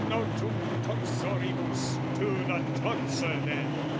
"Notum tonsoribus! To the Tonsor then!